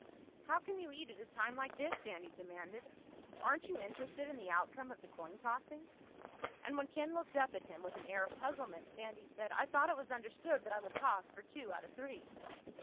"How can you eat at a time like this?" Sandy demanded. "Aren't you interested in the outcome of the coin tossing?" And when Ken looked up at him, with an air of puzzlement, Sandy added, "I thought it was understood that I would toss for two out of three."